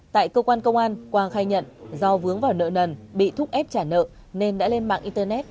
tại cơ quan công an quang khai nhận do vướng vào nợ nần bị thúc ép trả nợ nên đã lên mạng internet